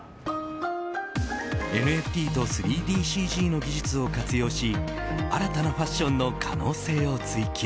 ＮＦＴと３ＤＣＧの技術を活用し新たなファッションの可能性を追求。